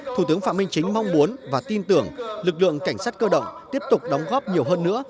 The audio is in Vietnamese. thủ tướng phạm minh chính mong muốn và tin tưởng lực lượng cảnh sát cơ động tiếp tục đóng góp nhiều hơn nữa